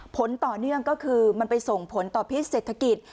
ผลต่อเนื่องก็คือมันไปส่งผลต่อพิษเศรษฐกิจ